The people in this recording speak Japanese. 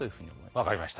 分かりました。